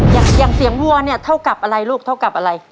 อย่างเสียงวัวเนี่ยเท่ากับอะไรลูกเท่ากับอะไร